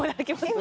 今？